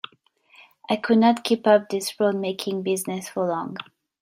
I could not keep up this roadmaking business for long.